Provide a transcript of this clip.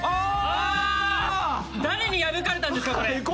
これ誰に破かれたんですか？